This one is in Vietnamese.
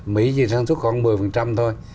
mỹ chỉ sản xuất khoảng một mươi thôi